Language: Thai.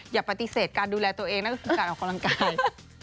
อย่าปฏิเสธการดูแลตัวเองนั่นก็คือการออกกำลังกาย